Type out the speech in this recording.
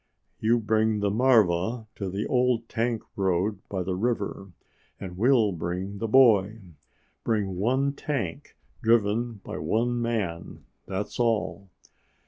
You bring the marva to the old tank road by the river, and we'll bring the boy. Bring one tank, driven by one man. That's all.